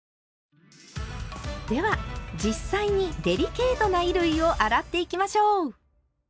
では実際にデリケートな衣類を洗っていきましょう。